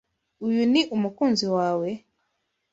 Uyu ni umukunzi wawe?